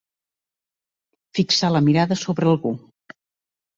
Fixar la mirada sobre algú.